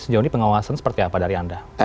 sejauh ini pengawasan seperti apa dari anda